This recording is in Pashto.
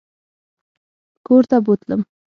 کورته بوتلم.